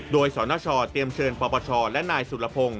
โดยสนชเตรียมเชิญปปชและนายสุรพงศ์